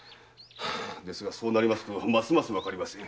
ですがそうなりますとますますわかりません。